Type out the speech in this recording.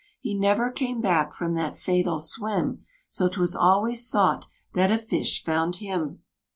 He never came back from that fatal swim, So 'twas always thought that a fish found him.